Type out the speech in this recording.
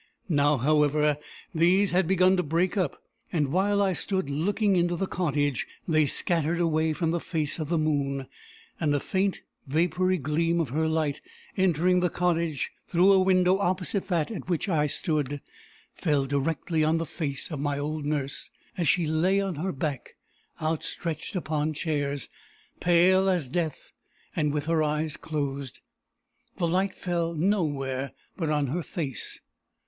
Now, however, these had begun to break up; and, while I stood looking into the cottage, they scattered away from the face of the moon, and a faint vapoury gleam of her light, entering the cottage through a window opposite that at which I stood, fell directly on the face of my old nurse, as she lay on her back, outstretched upon chairs, pale as death, and with her eyes closed. The light fell nowhere but on her face.